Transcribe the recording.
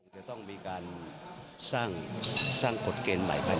ไม่น่าดูต้องแก้ค่ะ